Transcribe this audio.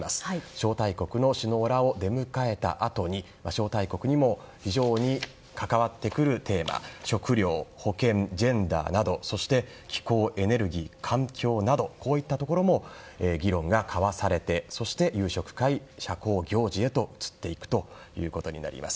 招待国の首脳らを出迎えたあとに招待国にも非常に関わってくるテーマ食料、保険、ジェンダーなどそして、気候、エネルギー環境などこういったところも議論が交わされてそして夕食会、社交行事へ移っていくということになります。